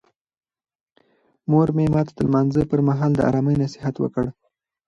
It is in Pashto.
مور مې ماته د لمانځه پر مهال د آرامۍ نصیحت وکړ.